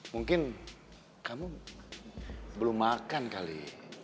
mungkin kamu belum makan kali